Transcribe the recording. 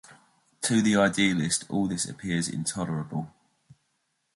To the idealist all this appears intolerable.